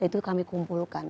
itu kami kumpulkan